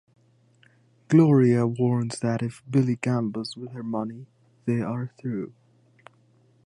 Gloria warns that if Billy gambles with her money they are through.